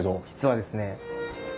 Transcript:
実はですね